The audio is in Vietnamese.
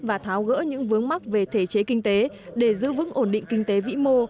và tháo gỡ những vướng mắc về thể chế kinh tế để giữ vững ổn định kinh tế vĩ mô